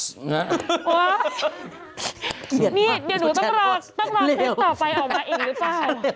เจียนมากนี่เดี๋ยวหนูต้องรอคลิปต่อไปออกมาอีกหรือป่ะ